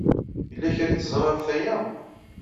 Yella kra ay teẓra ɣef waya?